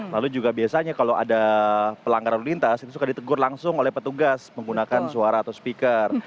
lalu juga biasanya kalau ada pelanggar lalu lintas itu suka ditegur langsung oleh petugas menggunakan suara atau speaker